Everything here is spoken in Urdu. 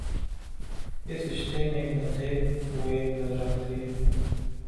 اس رشتے میں بندھے ہوئے نظرآتے ہیں